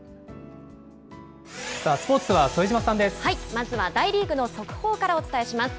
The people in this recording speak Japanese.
まずは大リーグの速報からお伝えします。